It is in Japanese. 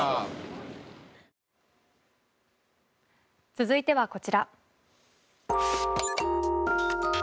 続いてはこちら。